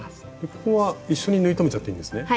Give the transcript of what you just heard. ここは一緒に縫い留めちゃっていいんですね？